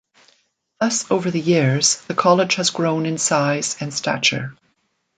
Thus over the years, the College has grown in size and stature.